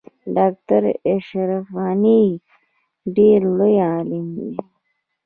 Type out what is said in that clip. ډاکټر اشرف غنی ډیر لوی عالم دی